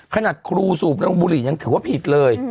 ขนาดครูสูบลงบุหรี่ยังถือว่าผิดเลย